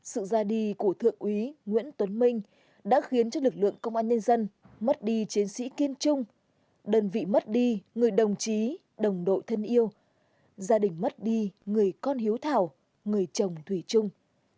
sự ra đi của thượng úy nguyễn tuấn minh đã khiến cho lực lượng công an nhân dân mất đi chiến sĩ kiên trung đơn vị mất đi người đồng chí đồng đội thân yêu gia đình mất đi người con hiếu thảo người chồng thủy trung